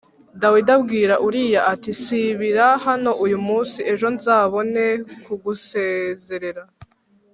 Dawidi abwira Uriya ati “Sibira hano uyu munsi, ejo nzabone kugusezerera.”